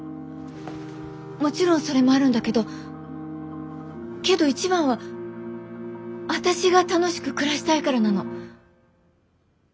もちろんそれもあるんだけどけど一番は私が楽しく暮らしたいからなの。